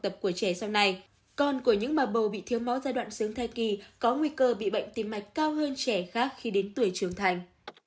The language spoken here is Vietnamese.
bà bầu bị thiếu máu giai đoạn sướng thai kỳ có nguy cơ bị bệnh tìm mạch cao hơn trẻ khác khi đến tuổi trưởng thành